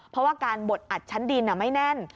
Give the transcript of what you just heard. เพราะว่าการบดอัดชั้นดินไม่แน่น